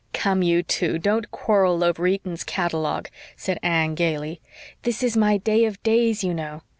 "Come, you two, don't quarrel over Eaton's catalogue," said Anne gaily. "This is my day of days, you know.